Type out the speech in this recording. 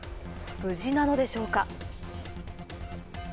無事なのでしょうか。